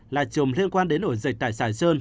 là chùm liên quan đến ổ dịch tại sài sơn